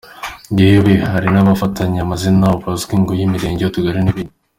Yewe hari n’ abafatanywe amazina ubu azwi ngo y’ imirenge, utugari n’ ibindi.